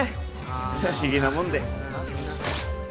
不思議なもんで。